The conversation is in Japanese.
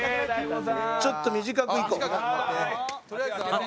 ちょっと短くいこう。